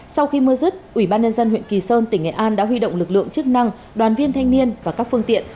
sau khi mưa rứt ủy ban nhân dân huyện kỳ sơn tỉnh nghệ an đã huy động lực lượng chức năng đoàn viên thanh niên và các phương tiện